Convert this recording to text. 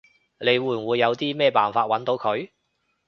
你會唔會有啲咩辦法搵到佢？